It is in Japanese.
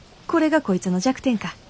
これがこいつの弱点か。